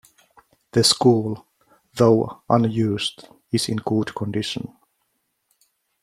The school, though unused, is in good condition.